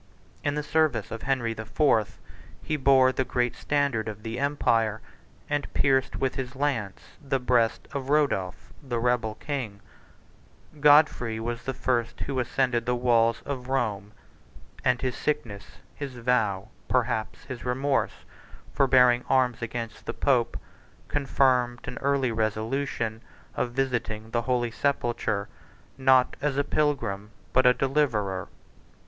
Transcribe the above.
44 In the service of Henry the Fourth, he bore the great standard of the empire, and pierced with his lance the breast of Rodolph, the rebel king: Godfrey was the first who ascended the walls of Rome; and his sickness, his vow, perhaps his remorse for bearing arms against the pope, confirmed an early resolution of visiting the holy sepulchre, not as a pilgrim, but a deliverer.